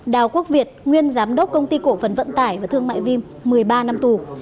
đào quốc việt nguyên giám đốc công ty cổ phần vận tải và thương mại vim một mươi ba năm tù